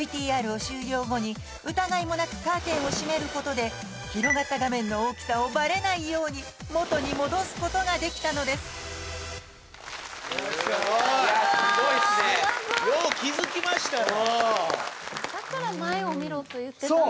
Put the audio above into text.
ＶＴＲを終了後に疑いもなくカーテンを閉めることで広がった画面の大きさをバレないように元に戻すことができたのですすごい！いやすごいっすねそう！